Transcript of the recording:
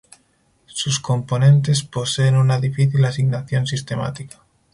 Sus componentes poseen una difícil asignación sistemática.